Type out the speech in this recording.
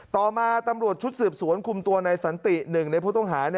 ต่อมาตำรวจชุดสืบสวนคุมตัวนายสันติหนึ่งในผู้ต้องหา